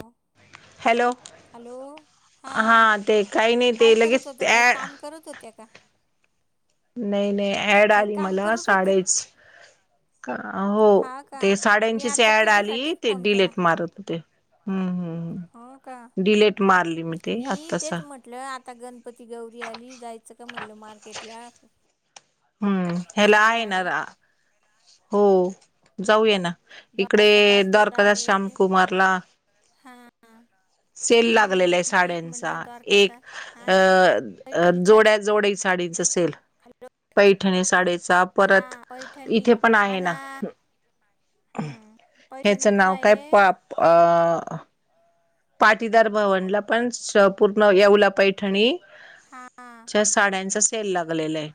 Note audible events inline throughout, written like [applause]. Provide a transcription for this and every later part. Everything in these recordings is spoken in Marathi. हो हॅलो हॅलो हा ते काही नाही काय ते करत लगेच होत्या काही ऍड काम करत होत त्या का नाही नाही ऍड काही आली काम मला करत होत्या साडेच हो हा का ते मी साड्यांचीच आता ऍड आली त्याच्यासाठीच ते फोन केला डिलेट मारत होते हम्म हम्म हो का हम्म, डिलेट मारली मी ते. आत्तासा. म्हटलं आता गणपती गौरी आली, जायचं का म्हटलं मार्केटला? हम्म ह्याला साड्या आहे आणायला ना, हो. जाऊया ना. इकडे द्वारकादासला द्वारकादास आहे श्याम कुमारला हा. सेल लागलेलाय हम्म तेच साड्यांचा. म्हणलं एक द्वारकादास हा अ पैठणीचा जोड्या जोडी साडीच सेल. पैठणी साडेचा. हा परत पैठणी इथे पण हा आहे ना. हम्म ह्याचं नाव काय पैठणीचाये. अ पाटीदार भवनला पण, पूर्ण येऊला पैठणी. हा जास् साड्यांचा सेल लागलेलाय.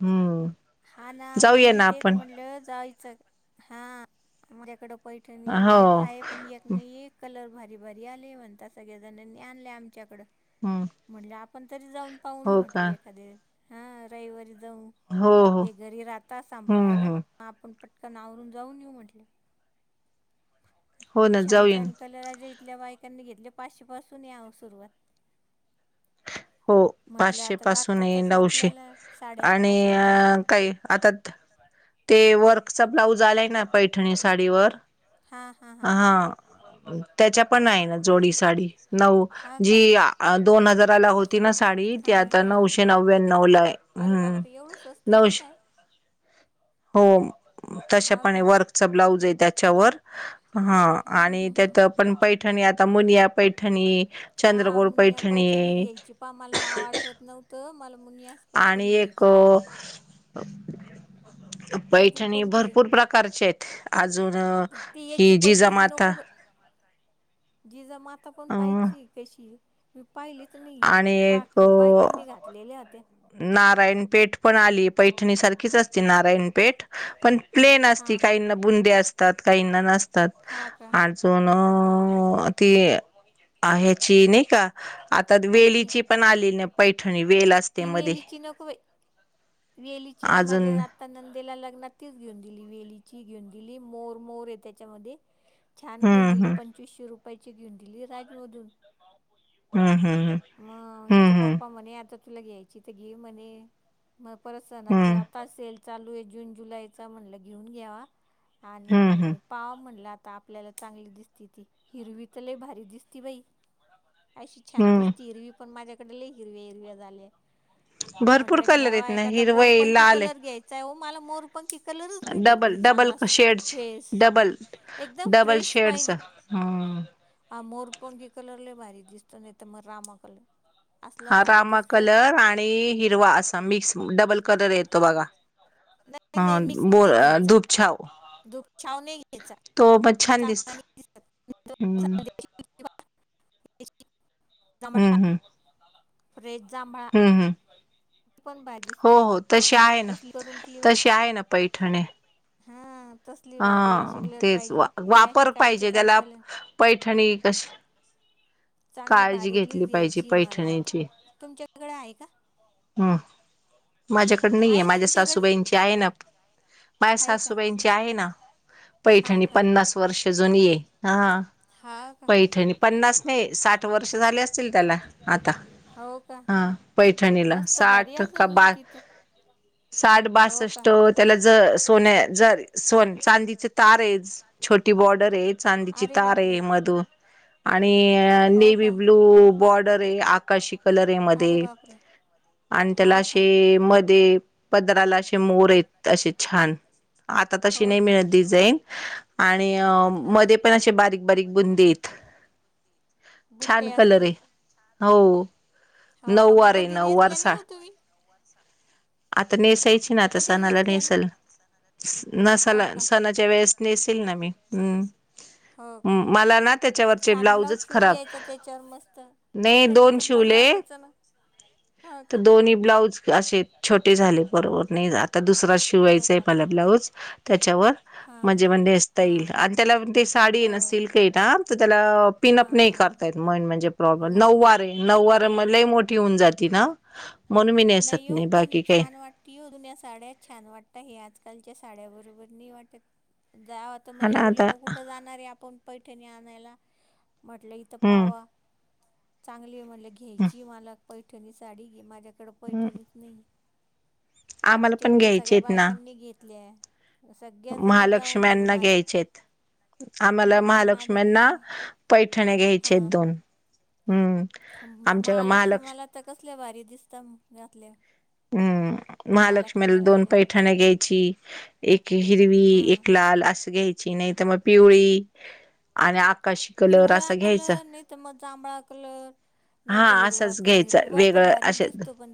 हम्म. हा ना मग जाऊया मी ना तेच आपण म्हणलं जायचं, हा. उद्याकडं पैठणी एक हो हाये. पण एक नी एक कलर भारी भारी आले म्हणता. सगळेजणनी आणलेय आमच्याकडं. ह. म्हटलं आपण तरी जाऊन पाहून येऊ म्हटलो एखादे. हा रविवारी जाऊ. हो हो हे घरी राहता हम्म सांभाळायला. हम्म म आपण पटकन आवरून जाऊन येऊ म्हटलं. हो ना छान जाऊया ना छान कलर आज इथल्या बायकांनी घेतले. पाचशे पासूने आओ सुरवात. हो पाचशे पासूने. नऊशे आपल्याला साड्या अशा न तशा आणि काय आता ते वर्कचा ब्लाऊज आलाय ना पैठणी साडीवर. हा. त्याच्या पण आहे ना जोडी साडी. नऊ हा का? जी दोन हजाराला हो ति ना साडी. ती हा आता हा. नऊशे नव्याण्व लाय. अरे हम्म बापरे एवढं स्वस्त नऊशे देताय [inaudible] हो. तशा हा पणे. का? वर्कच ब्लाऊजे त्याच्यावर. ह हम्म हम्म आणि हम्म हम्म. त्यात पण पै ठणी आता मुनिया पैठणी. हा चंद्रकोर मुनया पैठणीच पैठणी घ्यायची पहा. मला नाव आठवत नव्हतं. मला मुनिया आणि एक [inaudible] अजून पैठणी कोणतीय? भरपूर प्रकारचे आहेत अजून ती यची ही पैठणी जिजामाता नको ब जिजा माता पण अ पाहाचीय कशीये? मी पाहिली च नाही. आणि पाक एक खूप बायकांनी घातलेल्या होत्या. नारायणपेठ पण आलीय. पैठणी सारखीच असती नारायणपेठ. पण प्लेन असती. हां हां. काहींना बुंदे असतात. काहींना नसतात. अजून ती अ ह्याची नाही का? आता वेलीची का पण आली ना पैठणी. वेल अस ती वेलीची नको बाई. वेलीची मी माझ्या अजून ना आता नंदेला लग्नात तीच घेऊन दिली. वेलीचीय घेऊन दिली. मोर मोरे त्याच्यामध्ये. छान घेऊन हम्म दिली. पंचवीसशे रुपयाची घेऊन दिली राजमधून. हम्म हम्म हम्म. म इचे हम्म पप्पा म्हणे. आता तुला घ्यायची त घे म्हणे. मग परत हम्म सनाच आ हम्म ता सेल चालूये जून जुलैचा. म्हणलं घेऊन घ्यावा. हम्म आणि पाव म्हणल आता आपल्याला चांगली दिसती ती. हिरवी त लई भारी दिसती बाई. अशी छान हम्म हम्म दिसती हिरवी पण, माझ्याकडे लई हिरव्या हिरव्या झाल्या. भरपूर म्हटलं कलर आहेत घ्यावा ना एखादा हिरवय मोरपंखी लाल कलर घ्यायचाय हो मला मोर. पंखी कलरच भेटत डबल नाही डबल चांगला फेस शेडचे डबल एकदम फ्रेश पाहिजे. हा, हा मोरपंखी कलर लय भारी दिसतो. नाही त मग रामा कलर. असला हा भारी रामा दिसतो कलर आणि हिरवा असा मिक्स डबल कलर येतो बघा. नाही ह बोर धूपछाव धुपछाव नाही त्याचा [unintelligible] ह, [unintelligible] जांभळा फ्रेश जांभळा अह, ती पण भारी हो दिसते हो तशी आहे ना, तसली करून तशी आहे ना पैठणे. ह.. तसली भारी अशी कलर तेच पाहिजे वा हे असे वापर कायचे पाहिजे काही त्याला कलर पैठणी कशी चांगली काळजी भारीतलीच घेतली पाहिजे घ्यायची मला आता पैठणीची. तुमच्याकडे आहे का हम्म, माझ्याकड नाहीये. आहे माझ्या तुमच्याकडे सासूबाईची आहे ना, माय आहे का सासूबाईची आहे ना, हा पैठणी का पन्नास वर्ष जुनी ये. हा हा का पैठणी पन्नास नाही. साठ वर्ष झाले असतील त्याला, आता हो का हा पैठणीला. मस्त भारी साठ असेल मग कबा [inaudible] साठ हो का? बासष्ट त्याला ज सोन्या जर सोन चांदीचे तार आहेच. छोटी बॉर्डर आहे. चांदीची तार छोटे आहे मधुन आणि हो नेवी का? ब्लू बॉर्डर आहे. आकाशी कलर हे अरे मध्ये. बापरे! आणि त्याला हाव का? असे मध्ये पदराला असे मोर येत असे छान. आता तशी हो नाही का? मिळत डिझाईन आणि हा. मध्ये पण असे बारीक बारीक बुंदी आहेत. आहेत. छान बुट्टे कलर असतील आहे. हो. हो का? मग नऊवारी कधी नऊवार नेसल्या नाही सा हो तुम्ही? आता नेसायची. आता कधी सणाला नेसल हा नसाला का? सणाच्या वेळेस नेसेल ना मी. हम्, हो का? मला ना त्याच्यावरचे छान ब्लाऊज ब्लाउजच शिवून खराब घ्यायचा त्याच्यावर मस्त नाही दोन पैठणीच ब्लाऊज शिवले आणायचं न, हा का. कोणी ब्लाऊज असे छोटे झाले बरोबर नाही आता दुसरा हो शिवायचाय का मला ब्लाऊज. त्याच्यावर हां हां म्हणजे म्हणजे स्टाईल हां आणि त्याला ते साडी आहे ना, हो सिल्क आहे ना, तर त्याला पिन अप नाही हां करतायेत मन म्हणजे प्रॉबेम नाही नऊवारी नऊवारे हां मले लई मोठी होऊन जाती ना, म्हणून मी नेसत नाही. बाकी काय. ती रूण्या साड्या छान वाटता. हे आजकालच्या साड्या बरोबर नाही वाटत. जा मग आणि आता येवल्याले कुठ जाणार आहे आपण पैठणी आणायला. म्हटलं इथ हम्म पावा चांगली आहे म्हणलं घ्यायची मला पैठणी साडी. माझ्या इकडं हम्म. पैठणीच नाही. आम्हाला आमच्या पण इकडे घ्यायचे सगळ्या आहेत ना बायकांनी घेतल्या. सगळ्याजणी जाऊन घेऊन महालक्ष्म्यांना आल्या. घ्यायचे आहेत आम्हाला हम्म माझ्याकडे महालक्ष्म्यांना नाही. पैठणे घ्यायचे आहेत दोन. हम्म, मा आमच्या महालक्ष माहालक्ष्म्यालात कसल्या भारी दिसता घातल्यावर. हम्म, महालक्ष्म्याला दोन अशा पैठ थान घ्यायची. एक हिरवी हा. एक लाल असं घ्याय ची नाही त मग पिवळी आणि आकाशी कलर पिवळा असा घ्यायचा. कलर नाही तर मग जांभळा कलर नाही हा तर हिरवा असंच कलर घ्यायचं हिरवा तर वेगळं भारीच असे. दिसतो पण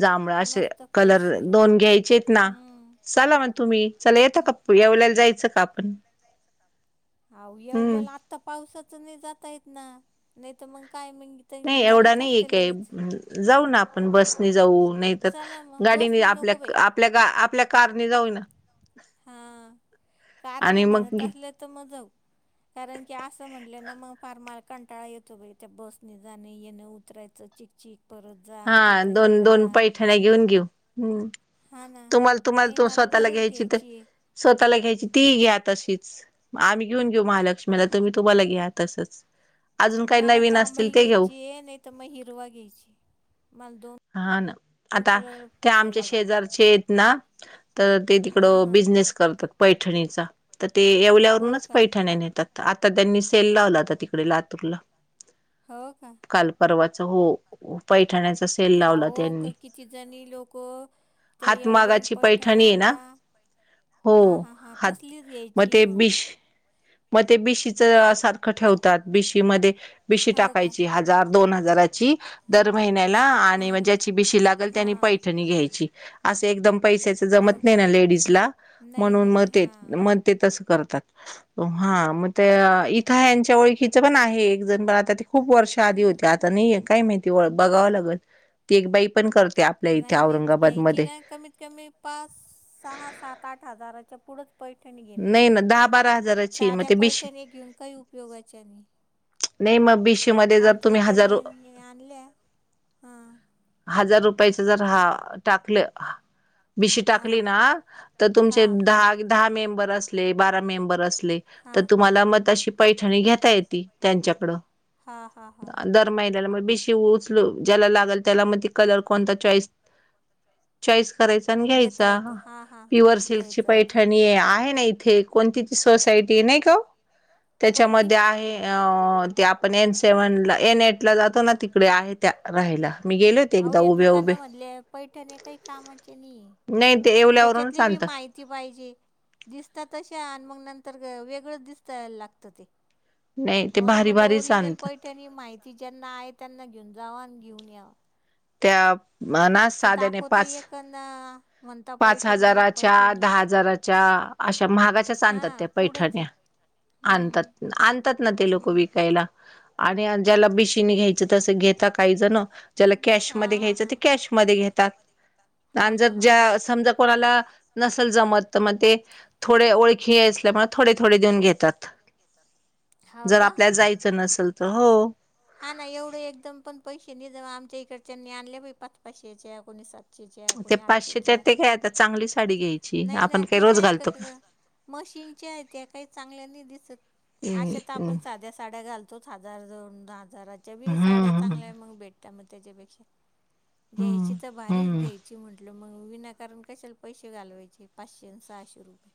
जांभळ असे मस्त कलर फ्रेश हिरवा दोन घ्यायचे आहेत ना हम्म चला मग तुम्ही. चला येतं का येवल्यायला जायचं का आपण जायचं अव हम्म येवलेला आत्ता पावसाच नाही जात येत ना, नाही तर मग काय म नाही एवढा नाही ए काय, जाऊ ना आपण बसनी जाऊ नाही,, चला मग गाडीने बसने आपल्या नको बाई आपल्या आपल्या कारने जाऊ ना कारणे आणि मग म्हणत असले तर म जाऊ. कारण की असं म्हटलं ना मग फार मला कंटाळा येतो बाहि त्या बसने जाणं येणं उतरायचं चिक. चीख परत जा हा तिथं हे दोन करा दोन पैठण्या घेऊन घेऊ, हम् हा ना तुम्हाला तुम्हाला नाही तो मला स्वतःला खरंच घ्यायची तर आहे स्वतःला घ्यायची ती घ्या तशीच आम्ही घेऊन घेऊ महालक्ष्मीला तुम्ही तुम्हाला घ्या तसंच- मला जांभळी घ्यायची नाही तर मग हिरवा घ्यायची मला दोन हा ना आता कलर ते फार भारी आमच्या आवडतात शेजारचे आहेत ना तर ते हां तिकडं हां हां बिझनेस करतात पैठणीचा तर ते हो एवल्यावरूनच का पैठण नेतात आता त्यांनी सेल लावला होता तिकडे लातूरला हो का कालपर्वाच हो पैठण्याच अहो, किती जणी लोक ते येवलऊन हातमागाची पैठणी आहे ना आणता हो हा, हा, हा हात तसलीच घ्यायची ते मग बिश मग ते बिशीच सारखं ठेवतात बिशी मध्ये बिशी हो का टाकायची हजार दोन हजारची दर महिन्याला हा आणि म्हणजे हा त्याची बिशी लागेल त्यानी हा पैठणी घ्यायची असं एकदम पैशच हो जमत नाही का ना लेडीजला नाही म्हणून नाही मत हां तेच ते तसंच करतात हा मग इथं यांच्या ओळखी हेच पण आहे एक जण पण आता ते खूप वर्ष आधी होते आता नाहीे काय माहिती ओळख बघाव लागल ती एक बाई पण करत नाही नाही घ्यायची नाही कमीत कमी पाच सहा सात आठ हजाराच्या पुढेच पैठण घेण नाही ना योग्य दहा बारा हजाराची मग साध्या ते बीशी पैठण घेऊन काही उपयोगाच्या आणि मी मग भिशी- आमच्या इकडने आणले हा हजार रुपयाच जर हा टाकलं बीशी हां टाकली ना तर तुमचे हां हां दहा दहा मेंबर असले, बारा मेंबर असले तर हां तुम्हाला मत तशी पैठणी घेता येते त्यांच्याकडून- हा हा हा महिग मग भिशी उचलू ज्याला लागल त्याला मग ते कलर कोणता चॉईस चॉईस करायचा आणि घेता घ्यायचा येतो हा हा प्युअर सिल्कची घ्यायचा येतो पैठणी आहे आहे ना इथे कोणती ती सोसायटी नाही का हो कोणती त्याच्यामध्ये आहे ते आपण एन सेव्हन ला एन एट ला जातो ना तिकडे आहे त्या राहायला मी गेलो होते एकदा उभे उभे पैठण काही कामाची नाही, नाही ते येवल्यावरूनच त्याच्यातली बी आणता माहिती पाहिजे दिसतात तशा आणि मग नंतर वेगळंच दिसत लागतं ते नाही ते म्हणून भारी म्हटलं भारीच ओरिजनल आणतात पैठणी माहिती ज्यांना आहे त्यांना घेऊन जाऊ आणि घेऊन यावं त्या म्हना साध्याने दाखवता पाच एकंदा म्हणता पाच पैठणी हजाराच्या दहा हजाराच्या अशा महागाची आणतात त्या पुढंच आहे पैठणी आणतात, हम्म आणतात ना ते लोक हम्म विकायला. आणि ज्याला भिशीने घ्यायचं तस घेता काही जण ज्याला कॅश हा मध्ये हा घ्यायच हा ते कॅशमध्ये घेतात. हा आणि हा जर हा ज्या समजा कोणाला नसेल जमत, तर मग ते थोडे ओळखी असले मग विचार थोडे थोडेऊन घेतात. जर आपल्या जायचं नसेल तर हो. हा ना एवढं एकदम पण पैसे नि ज आमच्या इकडच्यांनी आणले पाच, पाच, पाचशेच्या या कोणीसात पाचशेच्या ते कुणी आठशे पाचशेच्या च्या ते काय आता चांगली साडी घ्यायची नाही ना आपण काही ते रोज काय. घालतो मशीनच्या आहेत त्या काही चांगल्या नाही दिसत अशा तर हम्म आपण साध्या साड्या घालतो. तोच हजार दोन हजाराच्या बी साड्या हम्म चांगल्या मग भेटतात मग त्याच्यापेक्षा. घ्यायची तर भारीच हम्म घ्यायची म्ह मग विनाकारण कशाला पैसे घालवायचे पाचशे आणि सहाशे रुपये.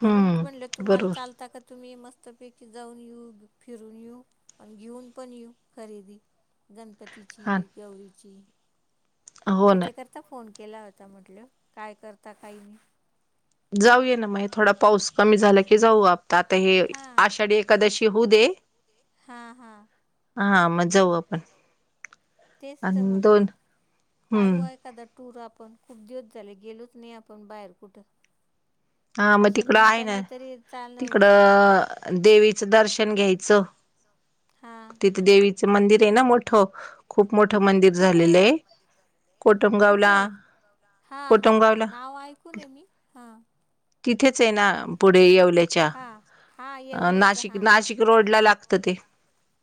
म्हणून म्हणलं हम्म तुम्हाला बरोबर चालता का तुम्ही मस्तपैकी जाऊन येऊ फिरून येऊ आणि घेऊन पण येऊ खरेदी गणपतीची हा गौरीची त्याच्याकर हो ना त्याच्या करता फोन केला होता म्हटल., काय करता काही नाही? जाऊया ना मग जाऊन थोडा येऊ पाऊस थोडा कमी झाला पाऊस की कमी जाऊ झाला की आप जाऊ आता हे आपण आषाढी एकादशी आषाढी होऊ दे एखकादशी हा -हा हा मज हा मग जावु तेच तर आणि म्हटलं दोन काढू हम्म आहे एखादा टूर आपण खूप दिवस झाले गेलोच नाही आपण बाहेर कुठं. हा म अशा तिकडं आहे ना निमतानी तरी चालणं होईल तिकडं देवीचं दर्शन घ्यायचं हां तिथे देवी तिच मंदिर आहे ना मोठं खूप मोठ मंदिर झालेलं हे. कुठे हे हा-हा -हा कोटमगावला नाव ऐकूून ये मी हा. तिथेच आहे ना पुढे येवले च्या हा हा अ येवल्याच हा. नाशिक रोड ला लागत ते.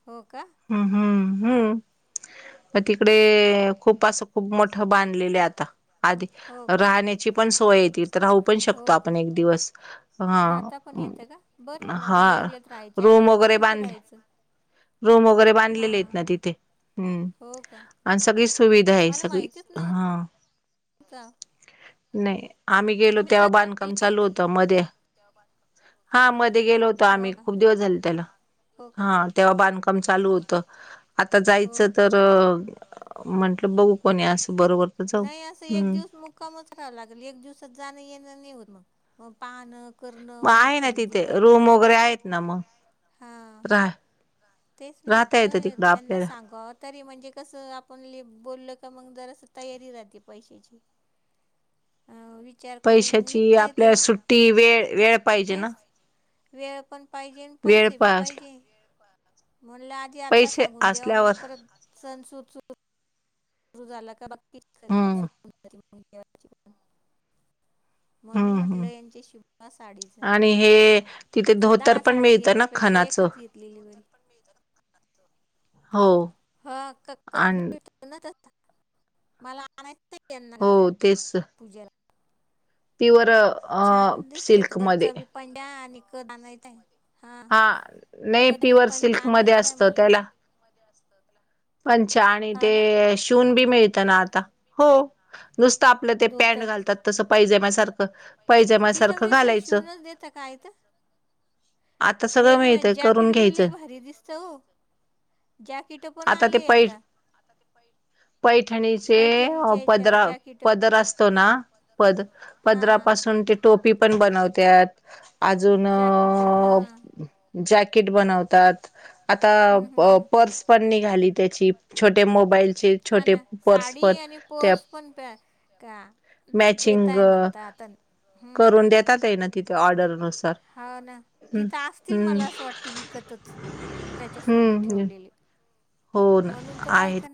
हो का हम्म -हम्म -हम्म मग तिकडे खूप अस खूप मोठं बांधलेलं आता आधी हो का. राहण्याची पण सोय आहे तिथं राहू पण शकतो. तो हो का. आपण एक दिवस हा, राहता पण येतं का बरं आहे ना मग हा येवल्यात राहायच्या रूम ऐवजी वगैरे तिथं बांधले राहायचं. रूम वगैरे हा बांधलेले आहेत ना तिथे हम्म. हो का? आणि सगळी सुविधा आहे मला सगळी माहितीच हा नव्हतं. नाही आम्ही गेलो तेव्हा बांधकाम तुम्ही चालू होत मध्ये हा मध्ये गेलो होतो. हो आम्ही का खूप दिवस झाल त्याला. हो का हा तेव्हा बांधकाम चालू होतं आता हो जायचं का. तर म्हटलं बघू कोणी असंल् बरोबर तर जाऊ हम् कमच राहां लागेल एक दिवसात जाणं येणं नाही होत मग मग पाहन मग आहे ना तिथे रूम वगैरे आहेत ना मग हां राह तेच न राहता म्हटलं येतं तिकडं याना आपल्याला सांगाव् तरी म्हणजे कसं आपण बोलल का मग जरास तयारी राह पैशाची अ विचार करून मग पैशाची निघता येत आपल्याला सुट्टी वेळ वेळ पाहिजे ना तेच वेळ पण पाहिजे आणि वेळ पैसे बी पा असला पाहिजे म्हण त आता पैसे सांगून देवा मग असल्यावर परत सन् सुद सुर झा का बाकी हम्म खरेदी प म्हणून हम्म म्हटलं हम्म यांच्या शिव [inaudible] साडीच आणि हे तिथे धोतर दहा पण साड्या मिळतं ना घेण्यापेक्षा खणाचं एकच घेतली डिलिव्हरी हो हा आणि [unintelligible] मला आणायचं आहे यांना हो घालायला पूजेला पिव्हर छान दिसतो तो वरचा बी पैया आणि क [inaudible] आहे हा नाही खण आणि प्युअर [inaudible] सिल्क मध्ये आणायचं आहे असतं मला यांना त्याला पंचा आणि हा ना ते शिवून बी मिळतं ना आता. हो नुसतं आपलं ते पॅन्ट धोतर घालतात. तसं पैजम्यासारखं पैजम्यासारखं घालायचं. सकाळी का आता सगळं मेन [inaudible] मिळतंय करून जॅकेट बि लय घ्यायचं भारी दिसत हो जॅकेट पण ते आलय पै आता. आता ते पै [inaudible] पैठणीचे पदरा जॅकेट पदर असतो. ना पद हां पदरापासून ते टोपी पण बनवत्यात अजून. जॅकेट हा जॅकिट बनवतात. आता हम्म हम्म हम्म पर्स पण निघाली. त्याची छोटे मोबाईल. हा ना साडी आणि पर्स पण का मॅचिंग देताय म्हणता आता [inaudible] हम करून देतात आहे ना तिथे करून देतात ऑर्डरनुसार हे. हाव ना तिथं अस [inaudible] हम्म असतील मला हम्म असं वाटतं विकतच त्याच्यासोबत हम्म ठेवलेले हो ना म्हणून तर बायकांना आहेत.